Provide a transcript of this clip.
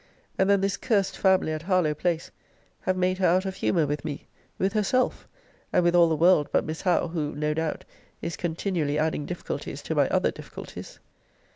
And then this cursed family at Harlowe place have made her out of humour with me, with herself, and with all the world, but Miss Howe, who, no doubt, is continually adding difficulties to my other difficulties.